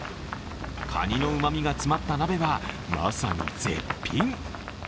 カニの旨みが詰まった鍋はまさに絶品。